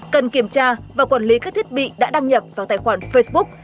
cần kiểm tra và quản lý các thiết bị đã đăng nhập vào tài khoản facebook